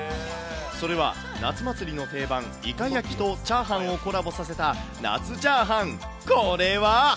それは、夏祭りの定番、イカ焼きとチャーハンをコラボさせた夏チャーハン。